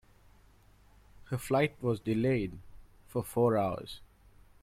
Her flight was delayed for four hours.